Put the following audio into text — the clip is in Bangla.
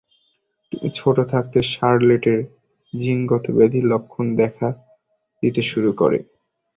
তুমি ছোট থাকতে শার্লটের জিনগত ব্যাধির লক্ষণ দেখা দিতে শুরু করে।